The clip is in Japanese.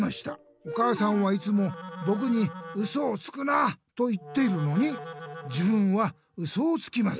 お母さんはいつもぼくに『ウソをつくな！』と言ってるのに自分はウソをつきます。